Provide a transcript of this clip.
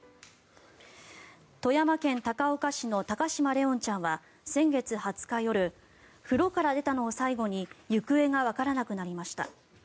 富山県高岡市の高嶋怜音ちゃんは先月２０日夜風呂から出たのを最後に行方がわからなくなりました。